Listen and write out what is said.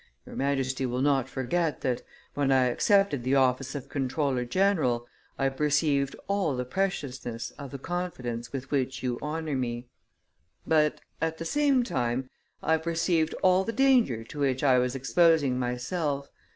... Your Majesty will not forget that, when I accepted the office of comptroller general, I perceived all the preciousness of the confidence with which you honor me; ... but, at the same time I perceived all the danger to which I was exposing myself.